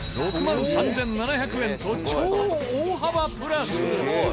６万３７００円と超大幅プラス！